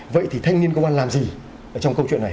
vậy thì thanh niên công an làm gì trong câu chuyện này